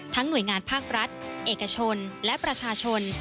หน่วยงานภาครัฐเอกชนและประชาชน